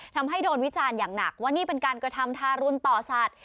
ทำให้โดนวิจารณ์อย่างหนักว่านี่เป็นการกระทำทารุณต่อสัตว์